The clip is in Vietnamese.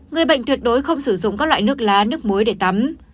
người bệnh tuyệt đối không sử dụng các loại nước lá nước muối để tắm